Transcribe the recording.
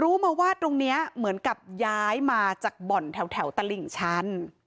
รู้มาว่าตรงนี้เหมือนกับย้ายมาจากบ่อนแถวตลิ่งชั้น